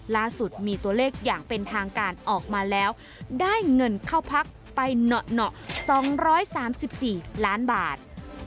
ล่าสุดมีตัวเลขอย่างเป็นทางการออกมาแล้วได้เงินเข้าพักไปเหนาะ๒๓๔ล้านบาท